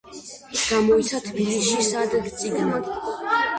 გამოიცა თბილისში სამ წიგნად.